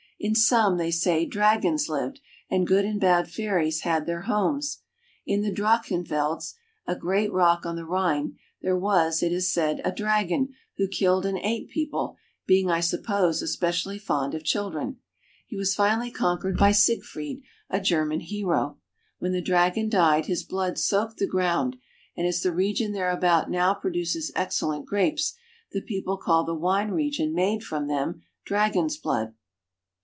In some, they say, dragons lived and good and bad fairies had their homes. In the Drachenfels (drach'en felz), a great rock on the Rhine, there was, it is said, a dragon who killed and ate people, being, I suppose, especially fond of — we see '*,_ scores of such _i; "■ castles." 240 GERMANY. children. He was finally conquered by Siegfried, a German hero. When the dragon died his blood soaked the ground, and as the region thereabout now produces excellent grapes, the people call the wine made from them, dragon's blood.